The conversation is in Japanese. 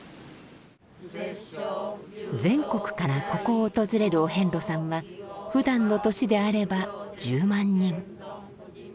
全国からここを訪れるお遍路さんはふだんの年であれば１０万人。